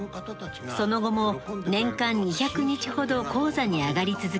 その後も年間２００日ほど高座に上がり続けます。